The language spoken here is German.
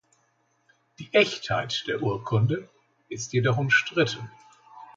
Die Echtheit der Urkunde ist jedoch umstritten.